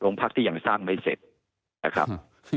พักที่ยังสร้างไม่เสร็จนะครับ